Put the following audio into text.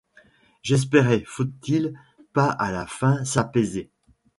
J'espérai. Faut-il pas à la fin s'apaiser ?